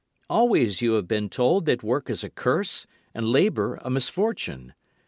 Always you have been told that work is a curse and labour a misfortune.